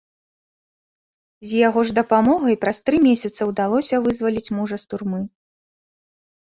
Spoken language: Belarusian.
З яго ж дапамогай праз тры месяца ўдалося вызваліць мужа з турмы.